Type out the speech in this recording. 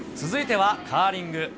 続いてはカーリング。